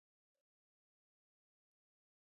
ستا خور هم نه دی کړی؟ د نجلۍ خور ته یې اشاره وکړه.